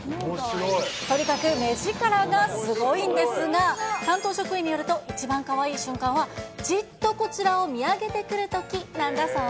とにかく目力がすごいんですが、担当職員によると、一番かわいい瞬間は、じっとこちらを見上げてくるときなんだそう。